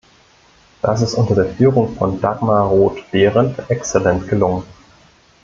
Das ist unter der Führung von Dagmar Roth-Behrendt exzellent gelungen.